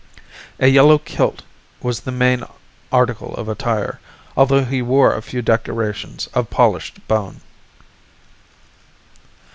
A yellow kilt was his main article of attire, although he wore a few decorations of polished bone.